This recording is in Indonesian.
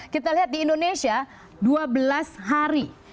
kita lihat di indonesia dua belas hari